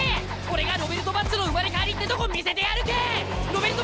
俺がロベルト・バッジョの生まれ変わりってとこ見せてやるけん！